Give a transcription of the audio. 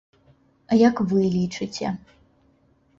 А як вы лічыце?